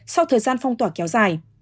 sau thời gian phong tỏa kéo dài